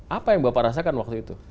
apa yang bapak rasakan waktu itu